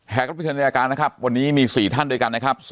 แห่งรับผิดชนในอาการนะครับวันนี้มี๔ท่านด้วยกันนะครับ